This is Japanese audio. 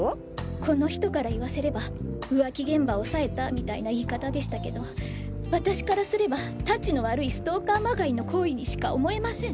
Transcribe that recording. この人から言わせれば浮気現場を押さえたみたいな言い方でしたけど私からすれば質の悪いストーカーまがいの行為にしか思えません。